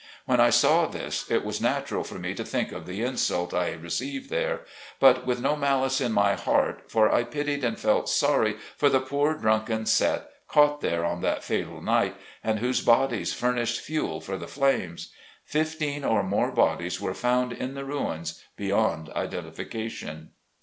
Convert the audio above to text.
When I saw this, it was natural for me to think of the insult I received there, but with no malice in my heart, for I pitied and felt sorry for the poor drunken set, caught there on that fatal night, and whose bodies furnished fuel for the flames. Fifteen or more bodies were found in the ruins beyond identification.